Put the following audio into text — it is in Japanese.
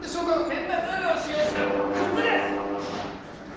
千羽鶴を使用した靴です！